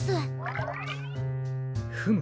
フム。